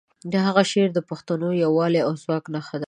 د هغه شعرونه د پښتو د یووالي او ځواک نښه دي.